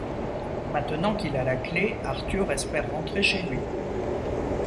Maintenant qu’il a la Clef, Arthur espère rentrer chez lui…